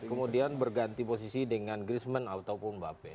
kemudian berganti posisi dengan griezmann ataupun mbappe